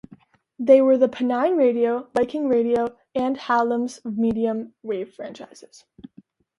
They were the Pennine Radio, Viking Radio and Radio Hallam's medium wave franchises.